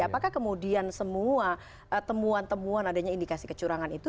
apakah kemudian semua temuan temuan adanya indikasi kecurangan itu